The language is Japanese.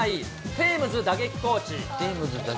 テームズ打撃コーチ。